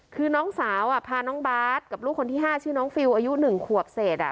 คือน้องสาวพาน้องบาทกับลูกคนที่๕ชื่อน้องฟิลอายุ๑ขวบเศษ